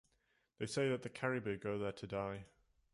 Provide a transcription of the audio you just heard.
They say that the caribou go there to die.